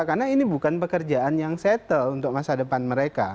karena ini bukan pekerjaan yang settle untuk masa depan mereka